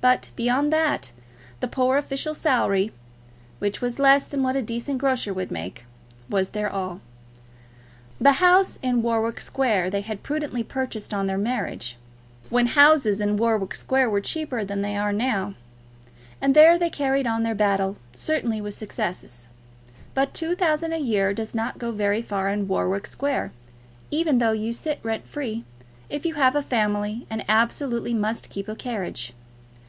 But, beyond that, the poor official salary, which was less than what a decent grocer would make, was their all. The house in Warwick Square they had prudently purchased on their marriage, when houses in Warwick Square were cheaper than they are now, and there they carried on their battle, certainly with success. But two thousand a year does not go very far in Warwick Square, even though you sit rent free, if you have a family and absolutely must keep a carriage.